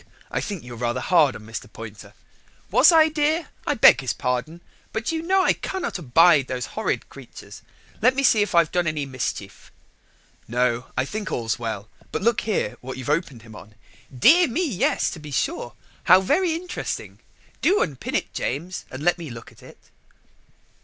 I think you're rather hard on Mr. Poynter." "Was I, my dear? I beg his pardon, but you know I cannot abide those horrid creatures. Let me see if I've done any mischief." "No, I think all's well: but look here what you've opened him on." "Dear me, yes, to be sure! how very interesting. Do unpin it, James, and let me look at it."